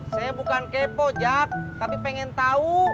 saya bukan kepo jack tapi pengen tau